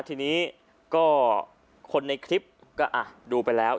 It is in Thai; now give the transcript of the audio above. ทีนี้ก็คนในคลิปก็ดูไปแล้ว